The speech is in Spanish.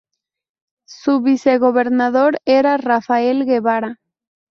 Su vicegobernador era Rafael Guevara.